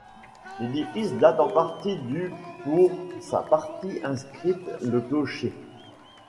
L'édifice date en partie du pour sa partie inscrite, le clocher.